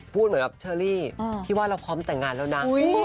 พูดเหมือนกับเชอรี่ที่ว่าเราพร้อมแต่งงานแล้วนะ